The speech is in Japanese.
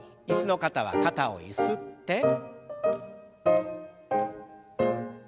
椅子の方は肩をゆすって。